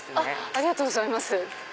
ありがとうございます。